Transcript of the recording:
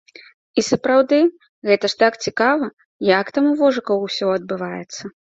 І сапраўды, гэта ж так цікава, як там у вожыкаў усё адбываецца!